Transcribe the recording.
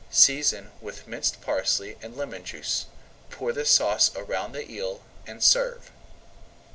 Season with minced parsley and lemon juice, pour the sauce around the eel, and serve.